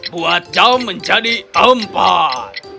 buat jam menjadi empat